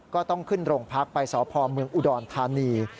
ก็ต้องขึ้นโรงพักไปสพเมืองอุดรธานี